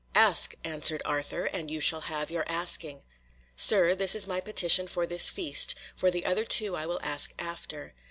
"Ask," answered Arthur, "and you shall have your asking." "Sir, this is my petition for this feast, for the other two I will ask after.